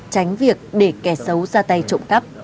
tránh việc để kẻ sâu